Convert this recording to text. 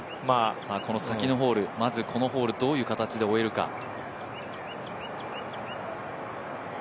この先のホール、まずこのホールどういう形で終えるか。